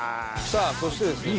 さあそしてですね